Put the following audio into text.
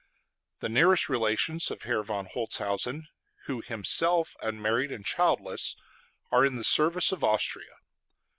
The nearest relations of Herr von Holzhausen, who is himself unmarried and childless, are in the service of Austria.